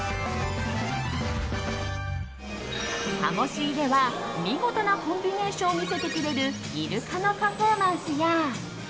鴨シーでは見事なコンビネーションを見せてくれるイルカのパフォーマンスや。